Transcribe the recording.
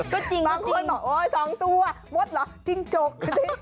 ก็จริงต้องจริงบางคนบอกโอ้ย๒ตัวมดเหรอจริงจก